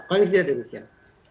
paling tidak demikian